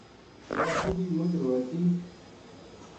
واہ بُڈھی مچ روئے تھی